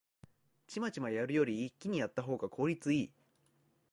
チマチマやるより一気にやったほうが効率いい